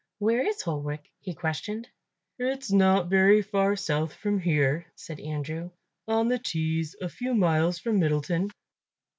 "Where is Holwick?" he questioned. "It's not very far south from here," said Andrew, "on the Tees a few miles from Middleton."